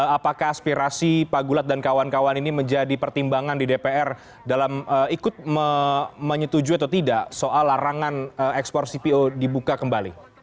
apakah aspirasi pak gulat dan kawan kawan ini menjadi pertimbangan di dpr dalam ikut menyetujui atau tidak soal larangan ekspor cpo dibuka kembali